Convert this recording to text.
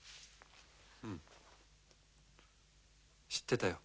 うん知ってたよ。